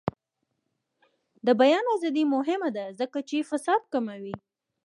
د بیان ازادي مهمه ده ځکه چې فساد کموي.